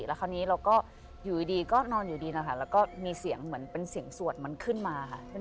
แล้วคราวนี้เราก็อยู่ดีก็นอนอยู่ดีนะคะแล้วก็มีเสียงเหมือนเป็นเสียงสวดมันขึ้นมาค่ะ